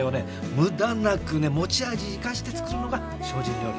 無駄なくね持ち味生かして作るのが精進料理。